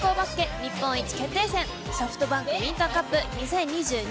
日本一決定戦ＳｏｆｔＢａｎｋウインターカップ２０２２。